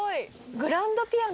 グランドピアノだ。